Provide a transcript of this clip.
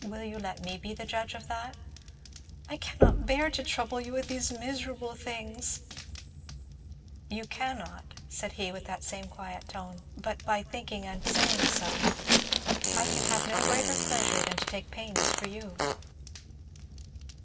"Will you let me be the judge of that?" "I cannot bear to trouble you with these miserable things " "You cannot," said he with that same quiet tone, "but by thinking and saying so. I can have no greater pleasure than to take pains for you."